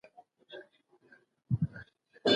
د هوراګانو پر ځای په عملي کار تمرکز وکړئ.